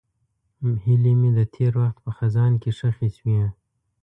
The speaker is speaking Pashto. هیلې مې د تېر وخت په خزان کې ښخې شوې.